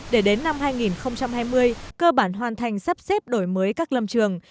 để đến năm hai nghìn hai mươi cơ bản hoàn thành sắp xếp đổi mới các lâm trường